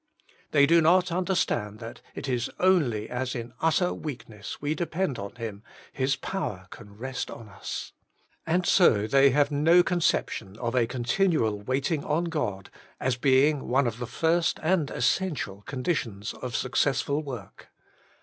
They do not understand that it is only as in utter weakness we depend upon Him, His power can rest on us. And so they have no conception of a continual 14 Working for God waiting on God as being one of the first and essential conditions of successful work.